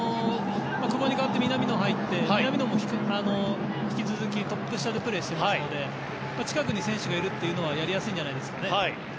久保に代わって南野が入って南野も引き続きトップ下でプレーしていますので近くに選手がいるというのはやりやすいんじゃないですかね。